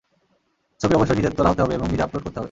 ছবি অবশ্যই নিজের তোলা হতে হবে এবং নিজে আপলোড করতে হবে।